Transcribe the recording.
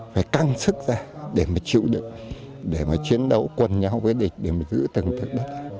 phải căng sức ra để mà chịu được để mà chiến đấu quân nhau với địch để mà giữ từng thực đất